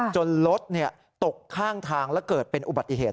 จนรถตกข้างทางแล้วเกิดเป็นอุบัติเหตุ